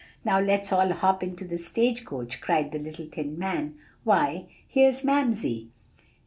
"'Now let's all hop into the stage coach,' cried the little thin man Why, here's Mamsie!"